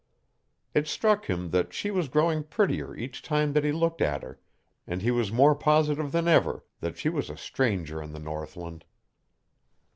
It struck him that she was growing prettier each time that he looked at her, and he was more positive than ever that she was a stranger in the northland.